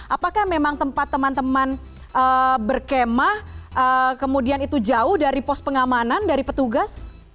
apakah memang tempat teman teman berkemah kemudian itu jauh dari pos pengamanan dari petugas